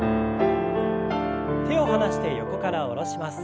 手を離して横から下ろします。